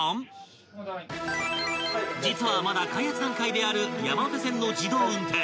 ［実はまだ開発段階である山手線の自動運転］